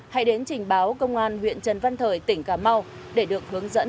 hãy đến trình báo công an huyện trần văn thời tỉnh cà mau để được hướng dẫn hỗ trợ